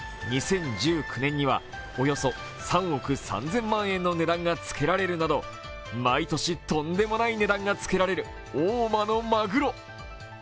２０１９年にはおよそ３億３０００万円の値段がつけられるなど毎年とんでもない時間がつけられる大間のマグロ。